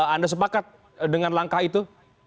anda sepakat dengan langkah itu